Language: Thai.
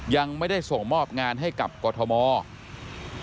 ยังไม่ได้ส่งมอบงานให้กับกรทม